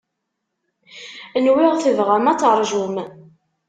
Nwiɣ tebɣam ad terjum.